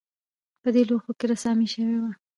په دې لوښو کې رسامي شوې وه